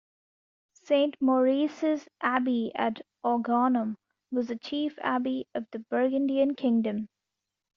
Saint Maurice's Abbey at Agaunum was the chief abbey of the Burgundian kingdom.